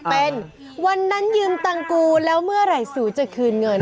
เป็นวันนั้นยืมตังกูแล้วเมื่อไหร่สูจะคืนเงิน